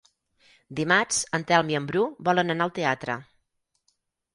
Dimarts en Telm i en Bru volen anar al teatre.